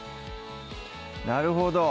なるほど